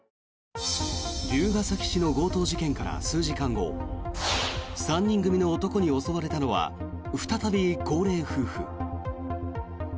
龍ケ崎市の強盗事件から数時間後３人組の男に襲われたのは再び高齢夫婦。